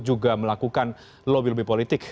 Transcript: juga melakukan lobby lebih politik